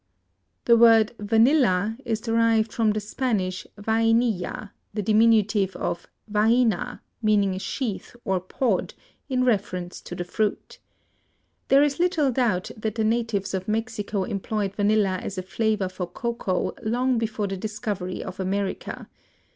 The word vanilla is derived from the Spanish vainilla, the diminutive of vaina, meaning a sheath or pod, in reference to the fruit. There is little doubt that the natives of Mexico employed vanilla as a flavor for cocoa long before the discovery of America.